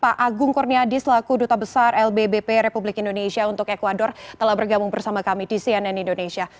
pak agung kurniadi selaku duta besar lbbp republik indonesia untuk ecuador telah bergabung bersama kami di cnn indonesia